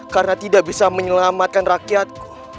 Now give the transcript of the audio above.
karena tidak bisa menyelamatkan rakyatku